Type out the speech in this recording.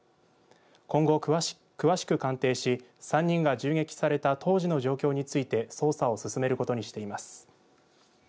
今後、詳しく鑑定し３人が銃撃された当時の状況について捜査を進めることにしています。